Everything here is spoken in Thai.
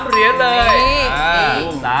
๓เลยก็ได้ค่ะ